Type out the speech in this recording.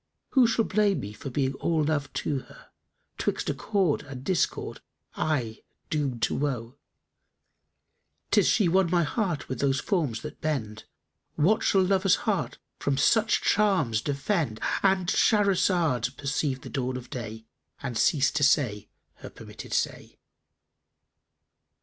Who shall blame me for being all love to her, * 'Twixt accord and discord aye doomed to woe: 'Tis she won my heart with those forms that bend * What shall lover's heart from such charms defend?" ——And Shahrazad perceived the dawn of day and ceased to say her permitted say.